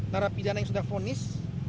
narapidana yang sudah fonis